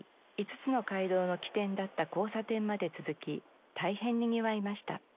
５つの街道の起点だった交差点まで続き大変にぎわいました。